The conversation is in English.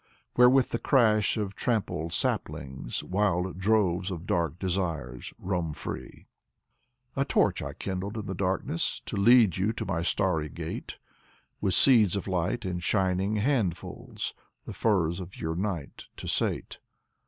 Where with the crash of trampled saplings Wild droves of dark desires roam free. A torch I kindled in the darkness To lead you to my starry gate, With seeds of light in shining handfuls The furrows of your night to sate.